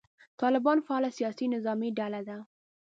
طالبان فعاله سیاسي نظامي ډله ده.